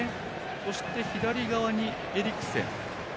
そして、左側にエリクセン。